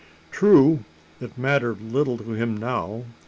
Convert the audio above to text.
True, it mattered little to him now.